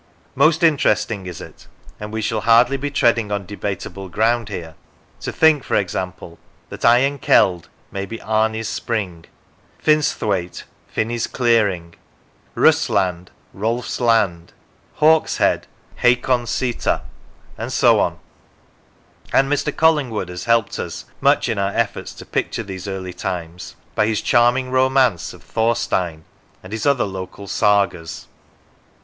Most interesting is it and we shall hardly be treading on debatable ground here to think, for example, that Iron Keld may be Ami's spring, Finsthwaite Finni's clearing, Rusland Rolf's land, Hawkshead Hakon's seater, and so on; and Mr. Collingwood has helped us much in our efforts to picture these early times by his charming romance of " Thorstein," and his other local sagas.